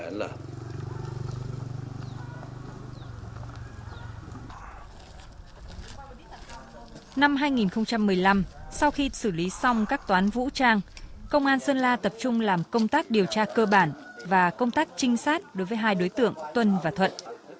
năm hai nghìn một mươi năm sau khi xử lý xong các toán vũ trang công an sơn la tập trung làm công tác điều tra cơ bản và công tác trinh sát đối với hai đối tượng tuân và thuận